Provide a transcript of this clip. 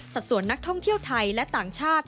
ส่วนนักท่องเที่ยวไทยและต่างชาติ